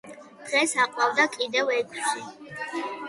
დღეს აყვავდა კიდევ ექვსი.